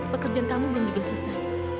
pekerjaan kamu belum selesai